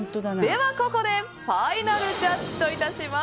ここでファイナルジャッジといたします。